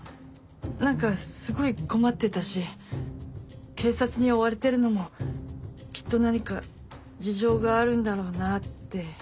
何かすごい困ってたし警察に追われてるのもきっと何か事情があるんだろうなって。